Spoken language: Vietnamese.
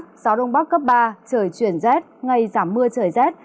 gió đông bắc cấp ba trời chuyển rét ngay giảm mưa trời rét